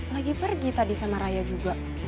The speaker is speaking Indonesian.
lagi pergi tadi sama raya juga